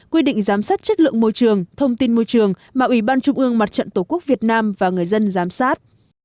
quy định giám sát chất lượng môi trường thông tin môi trường mà ủy ban trung ương mặt trận tổ quốc việt nam và người dân giám sát